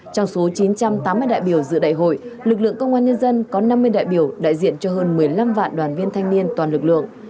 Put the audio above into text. trong số chín trăm tám mươi đại biểu dự đại hội lực lượng công an nhân dân có năm mươi đại biểu đại diện cho hơn một mươi năm vạn đoàn viên thanh niên toàn lực lượng